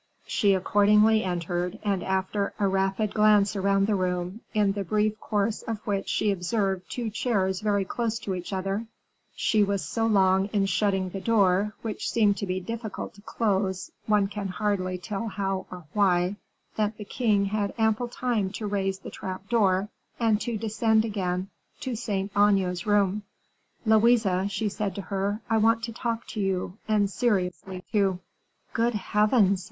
She accordingly entered, and after a rapid glance round the room, in the brief course of which she observed two chairs very close to each other, she was so long in shutting the door, which seemed to be difficult to close, one can hardly tell how or why, that the king had ample time to raise the trap door, and to descend again to Saint Aignan's room. "Louise," she said to her, "I want to talk to you, and seriously, too." "Good heavens!